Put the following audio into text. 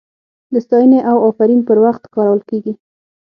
د ستاینې او افرین پر وخت کارول کیږي.